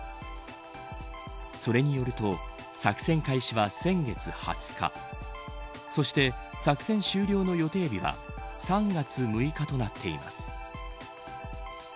それによると作戦開始は先月２０日そして作戦終了の予定日は３月６日となっています。